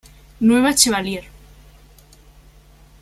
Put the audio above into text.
Nueva Chevallier